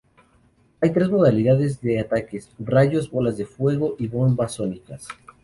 Hay tres modalidades de ataques: rayos, bolas de fuego y bombas sónicas.